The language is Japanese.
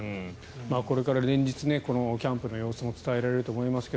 これから連日このキャンプの様子も伝えられると思いますが